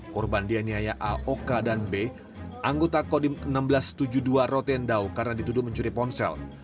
korban dianiaya al oka dan b anggota kodim seribu enam ratus tujuh puluh dua rotendao karena dituduh mencuri ponsel